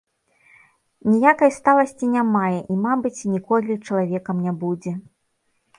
Ніякай сталасці не мае і, мабыць, ніколі чалавекам не будзе.